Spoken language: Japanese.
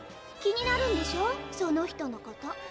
気になるんでしょその人のこと。